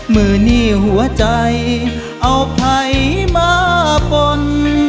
มือนี้หัวใจเอาไผ่มาปน